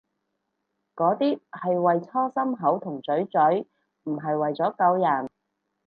嗰啲係為搓心口同嘴嘴，唔係為咗救人